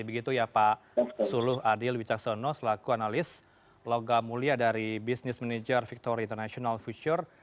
begitu ya pak suluh adil wicaksono selaku analis logam mulia dari business manager victory international future